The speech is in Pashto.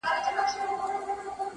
نه بيزو وه نه وياله وه نه گودر وو،